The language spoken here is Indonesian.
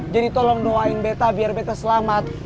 jadi tolong doain bete biar bete selamat